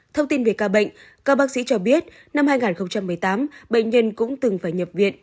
thông tin về ca bệnh các bác sĩ cho biết năm hai nghìn một mươi tám bệnh nhân cũng từng phải nhập viện